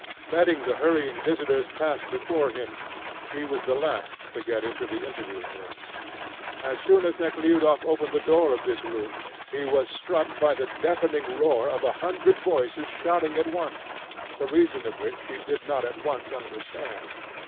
Letting the hurrying visitors pass before him, he was the last to get into the interviewing room. As soon as Nekhludoff opened the door of this room, he was struck by the deafening roar of a hundred voices shouting at once, the reason of which he did not at once understand.